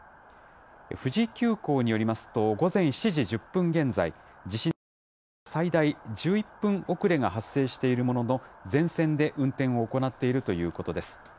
富士急行によりますと、午前７時１０分現在、地震の影響で最大１１分遅れが発生しているものの、全線で運転を行っているということです。